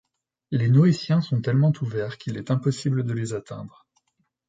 Les Noétiens sont tellement ouverts qu'il est impossible de les atteindre.